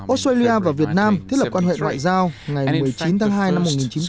australia và việt nam thiết lập quan hệ ngoại giao ngày một mươi chín tháng hai năm một nghìn chín trăm bảy mươi